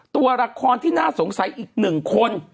ตัวละครที่น่าสงสัยอีก๑คน